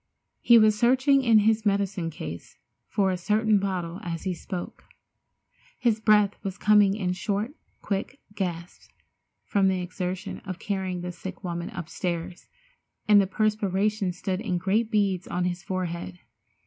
He was searching in his medicine case for a certain bottle as he spoke. His breath was coming in short, quick gasps from the exertion of carrying the sick woman upstairs, and the perspiration stood in great beads on his forehead.